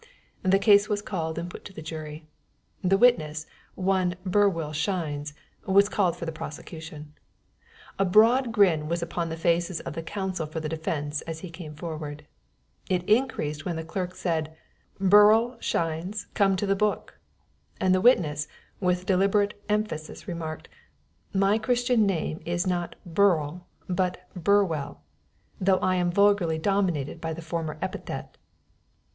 The case was called and put to the jury. The witness, one Burwell Shines, was called for the prosecution. A broad grin was upon the faces of the counsel for the defense as he came forward. It was increased when the clerk said, "Burrell Shines, come to the book;" and the witness, with deliberate emphasis, remarked, "My Christian name is not Burrell, but Burwell, though I am vulgarly denominated by the former epithet."